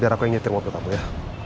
biar aku yang nyetir mobil kamu ya